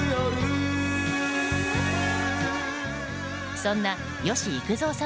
そんな吉幾三さん